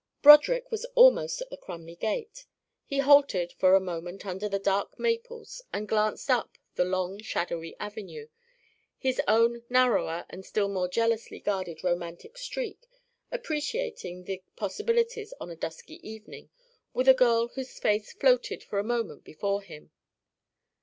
Broderick was almost at the Crumley gate. He halted for a moment under the dark maples and glanced up the long shadowy avenue, his own narrower and still more jealously guarded "romantic streak" appreciating the possibilities on a dusky evening with a girl whose face floated for a moment before him.